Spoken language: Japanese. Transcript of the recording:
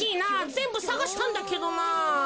ぜんぶさがしたんだけどな。